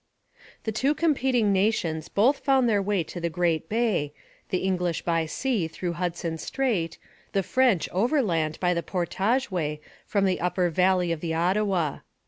The two competing nations both found their way to the great bay, the English by sea through Hudson Strait, the French overland by the portage way from the upper valley of the Ottawa.